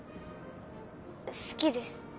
好きです。